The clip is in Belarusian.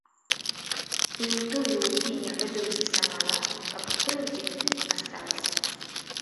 І ў тую ўкіне гэтулькі сама лап, каб ў крыўдзе не асталася.